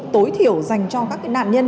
tối thiểu dành cho các nạn nhân